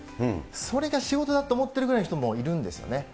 それが仕事だと思ってるぐらいの人もいるんですよね。